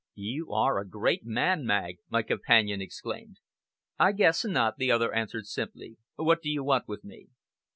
"You are a great man, Magg!" my companion exclaimed. "I guess not," the other answered simply. "What do you want with me?"